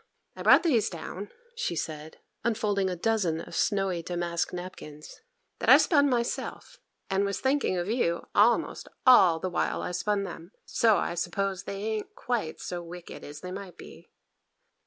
I brought these down,' she said, unfolding a dozen of snowy damask napkins, 'that I spun myself, and was thinking of you almost all the while I spun them; so I suppose they ain't quite so wicked as they might be.